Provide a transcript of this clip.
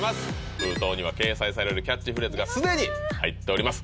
封筒には掲載されるキャッチフレーズが既に入っております